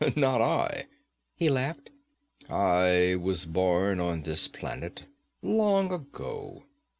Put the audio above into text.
'Not I!' he laughed. 'I was born on this planet, long ago.